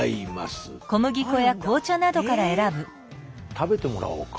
食べてもらおうか。